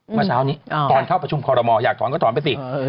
เมื่อเช้านี้ตอนเข้าประชุมคอรมอลอยากถอนก็ถอนไปสิ